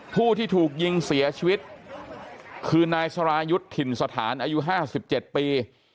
ผู้ที่ถูกยิงเสียชีวิตคือนายสรายุทธ์ถิ่นสถานอายุ๕๗ปี